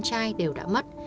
con trai đều đã mất